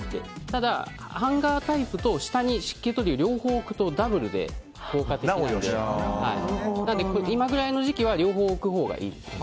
ただ、ハンガータイプと下に湿気取りを置くとダブルで効果的なので今ぐらいの時期は両方置くほうがいいです。